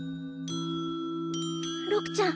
六ちゃん